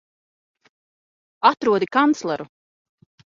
Atrodi kancleru!